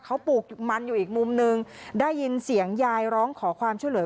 เขาปลูกมันอยู่อีกมุมนึงได้ยินเสียงยายร้องขอความช่วยเหลือ